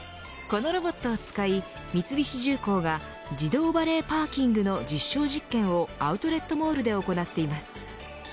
このロボットを使い、三菱重工が自動バレーパーキングの実証実験をアウトレットモールで行っています。